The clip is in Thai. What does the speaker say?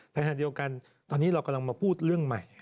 ขณะเดียวกันตอนนี้เรากำลังมาพูดเรื่องใหม่